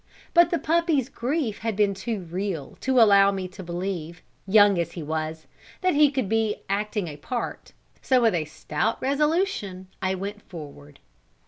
But the puppy's grief had been too real to allow me to believe, young as he was, that he could be acting a part; so with a stout resolution I went forward.